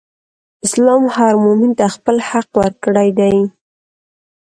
اسلام هر مؤمن ته خپل حق ورکړی دئ.